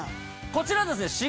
こちらですね